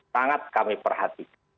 sangat kami perhatikan